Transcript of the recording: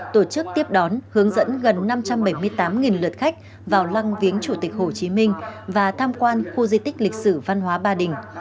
tổ chức tiếp đón hướng dẫn gần năm trăm bảy mươi tám lượt khách vào lăng viếng chủ tịch hồ chí minh và tham quan khu di tích lịch sử văn hóa ba đình